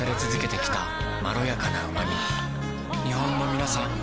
日本のみなさん